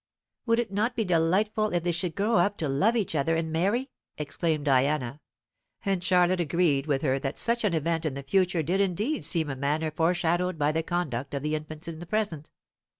"Would it not be delightful if they should grow up to love each other and marry?" exclaimed Diana; and Charlotte agreed with her that such an event in the future did indeed seem in a manner foreshadowed by the conduct of the infants in the present.